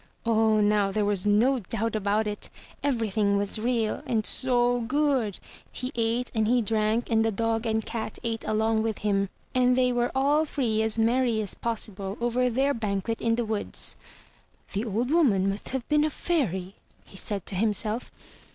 Oh, now there was no doubt about it! Everything was real — and so good! He ate and he drank, and the dog and cat ate along with him; and they were all three as merry as possible over their banquet in the woods. "The old woman must have been a fairy," he said to himself.